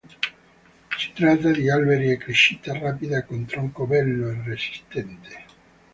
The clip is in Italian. Si tratta di alberi a crescita rapida e con tronco bello e resistente.